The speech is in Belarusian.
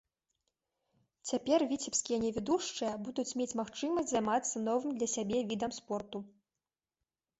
Цяпер віцебскія невідушчыя будуць мець магчымасць займацца новым для сябе відам спорту.